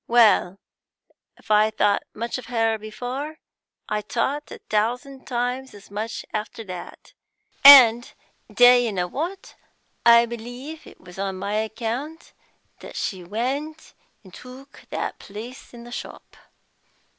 Well, if I thought much of her before, I thought a thousand times as much after that! And do you know what? I believe it was on my account that she went and took that place in the shop."